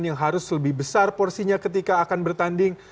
yang harus lebih besar porsinya ketika akan bertanding